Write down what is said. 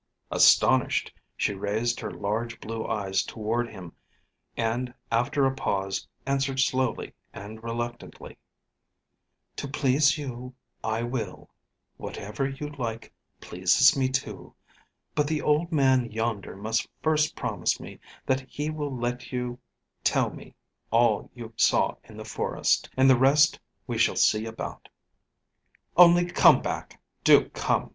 Astonished, she raised her large blue eyes toward him, and after a pause answered slowly and reluctantly: "To please you, I will: whatever you like pleases me too. But the old man yonder must first promise me that he will let you tell me all you saw in the forest, and the rest we shall see about." "Only come back do come!"